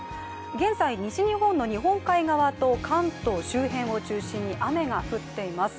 現在、西日本の日本海側と関東を中心に雨が降っています。